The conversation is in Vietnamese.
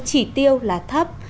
chỉ tiêu là thấp